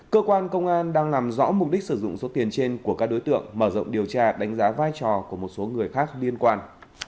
cơ quan công an đang làm rõ mục đích sử dụng số tiền trên của các đối tượng mở rộng điều tra đánh giá vai trò của một số người khác liên quan